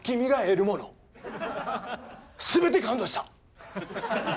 すべて感動した！